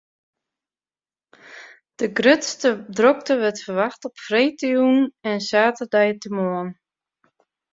De grutste drokte wurdt ferwachte op freedtejûn en saterdeitemoarn.